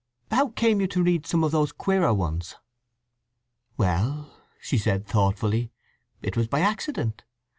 "How came you to read some of those queerer ones?" "Well," she said thoughtfully, "it was by accident.